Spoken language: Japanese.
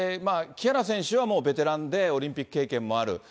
木原選手はもうベテランで、オリンピック経験もある。